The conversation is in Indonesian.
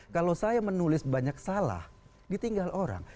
kalau saya menulis banyak salah ditinggal orang